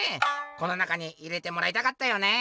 この中に入れてもらいたかったよね」。